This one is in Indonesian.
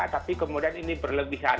tapi kemudian ini berlebihan